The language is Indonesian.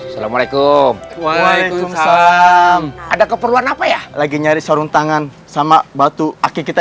salamualaikum waalaikumsalam ada keperluan apa ya lagi nyouentar un tangan sama batu akik kita